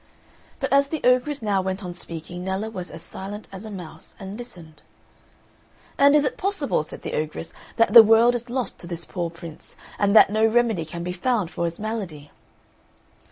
But as the ogress now went on speaking Nella was as silent as a mouse and listened. "And is it possible," said the ogress, "that the world is lost to this poor Prince, and that no remedy can be found for his malady?"